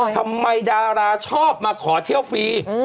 ทำไมดาราชอบมาขอเที่ยวฟรี